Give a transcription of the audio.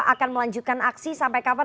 akan melanjutkan aksi sampai kapan